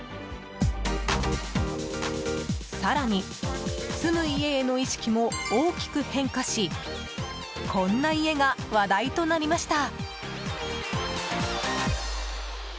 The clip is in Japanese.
更に、住む家への意識も大きく変化しこんな家が話題となりました。